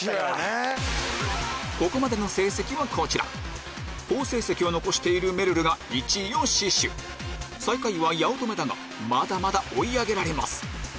ここまでの成績はこちら好成績を残しているめるるが１位を死守最下位は八乙女だがまだまだ追い上げられます